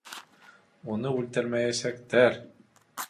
Уны үлтермәйәсәктәр!